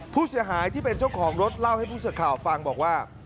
ผู้เสียหายที่เป็นเจ้าของรถเล่าให้ผู้สื่อข่าวฟังบอกว่า